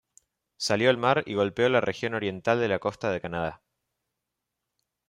Salió al mar y golpeó la región oriental de la costa de Canadá.